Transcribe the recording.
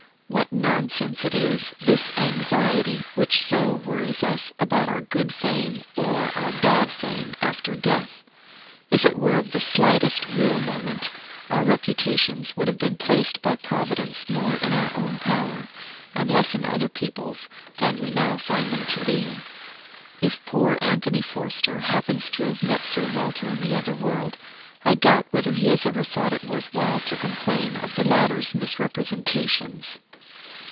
What nonsense it is, this anxiety, which so worries us, about our good fame, or our bad fame, after death! If it were of the slightest real moment, our reputations would have been placed by Providence more in our own power, and less in other people's, than we now find them to be. If poor Anthony Forster happens to have met Sir Walter in the other world, I doubt whether he has ever thought it worth while to complain of the latter's misrepresentations.